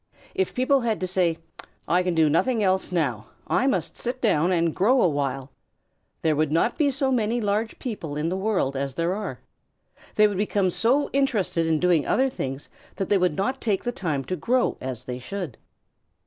If people had to say, "I can do nothing else now. I must sit down and grow awhile," there would not be so many large people in the world as there are. They would become so interested in doing other things that they would not take the time to grow as they should.